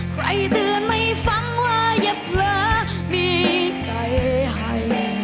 ใครเตือนไม่ฟังว่าเหยียบเหลือมีใจให้